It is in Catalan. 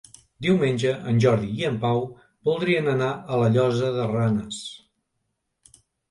Diumenge en Jordi i en Pau voldrien anar a la Llosa de Ranes.